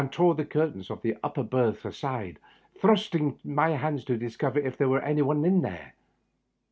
37 tore the curtains of the upper berth aside, thrusting in my hands to discover if there were any one there.